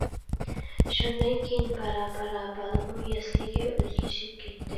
شۇندىن كېيىن بارا-بارا بالىمۇ يەسلىگە ئۆزلىشىپ كەتتى.